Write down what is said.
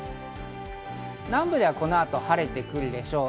南部ではこの後、晴れてくるでしょう。